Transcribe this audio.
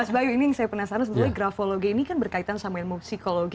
mas bayu ini yang saya penasaran sebenarnya grafologi ini kan berkaitan sama ilmu psikologi